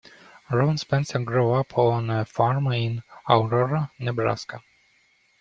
Ron Spencer grew up on a farm in Aurora, Nebraska.